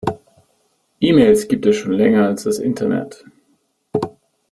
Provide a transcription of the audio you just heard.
E-Mails gibt es schon länger als das Internet.